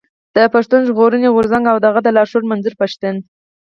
د پښتون ژغورني غورځنګ او د هغه د لارښود منظور پښتين.